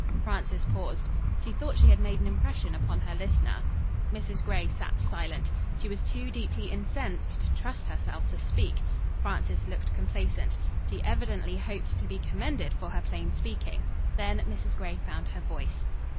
Frances paused. She thought she had made an impression upon her listener. Mrs. Gray sat silent. She was too deeply incensed to trust herself to speak. Frances looked complacent. She evidently hoped to be commended for her plain speaking. Then Mrs. Gray found her voice.